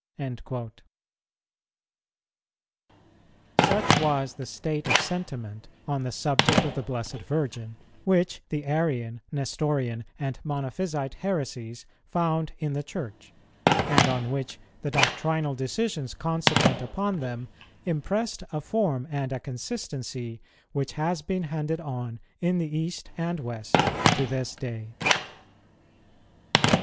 "[148:1] Such was the state of sentiment on the subject of the Blessed Virgin, which the Arian, Nestorian, and Monophysite heresies found in the Church; and on which the doctrinal decisions consequent upon them impressed a form and a consistency which has been handed on in the East and West to this day.